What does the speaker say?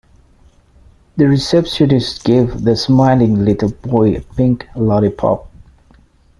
The receptionist gave the smiling little boy a pink lollipop.